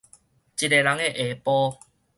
一个人的下晡